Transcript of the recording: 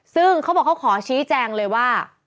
ซึ่งเขาบอกเขาขอชี้แจงเลยว่า